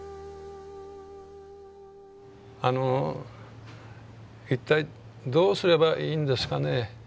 あの一体どうすればいいんですかね？